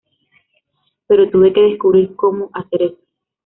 Pero tuve que descubrir cómo hacer eso".